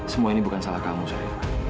semua ini bukan salah kamu saya